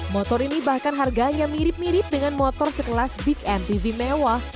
motor ini bahkan harganya mirip mirip dengan motor sekelas big mtv mewah